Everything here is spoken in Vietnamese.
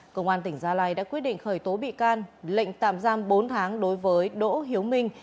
công an tỉnh gia lai đã quyết định khởi tố bị can lệnh tạm giam bốn tháng đối với đỗ hiếu minh